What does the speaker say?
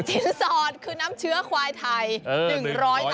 สอดคือน้ำเชื้อควายไทย